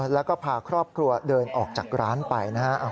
แล้วก็พาครอบครัวเดินออกจากร้านไปนะฮะ